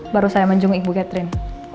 baru saya mengunjungi ibu catherine